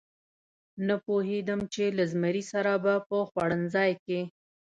نه پوهېدم چې له زمري سره به په خوړنځای کې.